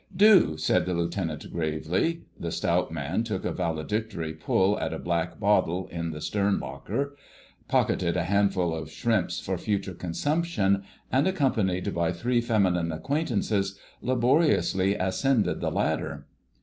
"Do," said the Lieutenant gravely. The stout man took a valedictory pull at a black bottle in the stern locker, pocketed a handful of shrimps for future consumption, and, accompanied by three feminine acquaintances, laboriously ascended the ladder.